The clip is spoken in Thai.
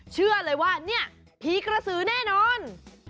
เชื่อเลยว่าเนี่ยผีกระสือแน่นอน